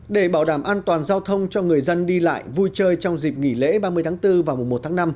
để bảo đảm an toàn giao thông cho người dân đi lại vui chơi trong dịp nghỉ lễ ba mươi tháng bốn và mùa một tháng năm